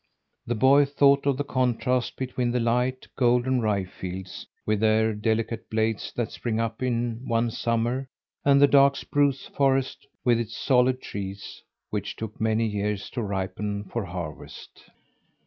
The boy thought of the contrast between the light, golden rye fields with their delicate blades that spring up in one summer, and the dark spruce forest with its solid trees which took many years to ripen for harvest.